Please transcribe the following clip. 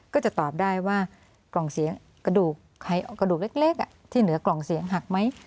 ก็จะตอบได้ว่ากล่องเสียงกระดูกเล็กที่เหนือกล่องเสียงหักไหม